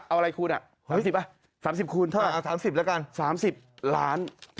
จะมอบเงินให้๕ล้านดอลลาร์สหรัฐ